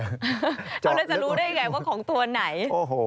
เราจะรู้ได้ไงว่าของตัวไหน